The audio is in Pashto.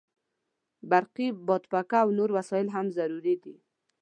برقي بادپکه او نور وسایل هم ضروري دي.